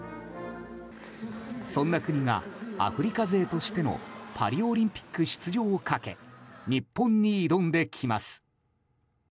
そんな国がアフリカ勢としてのパリオリンピック出場をかけ日本に挑んできます。